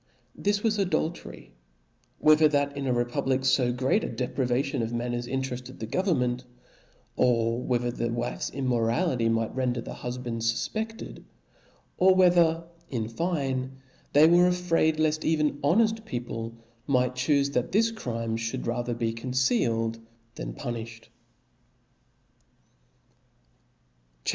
This was adul tery; whether that in a republic fo great a deprk vation of matters interefted the government ; or whether the wife's immorality might render the huiband's fufpcded; or whether, in fine, they were afraid left even honeft people might chufe that this crime fhould rather be concealed, thao punilhed* C H A P.